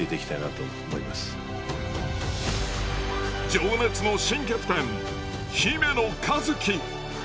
情熱の新キャプテン姫野和樹。